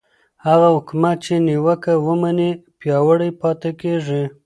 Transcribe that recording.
هغه حکومت چې نیوکه ومني پیاوړی پاتې کېږي